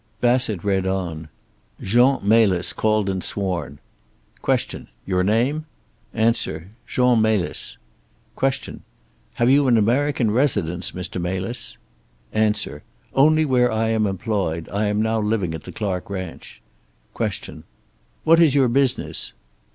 Bassett read on: Jean Melis called and sworn. Q. "Your name?" A. "Jean Melis." Q. "Have you an American residence, Mr. Melis?" A. "Only where I am employed. I am now living at the Clark ranch." Q. "What is your business?"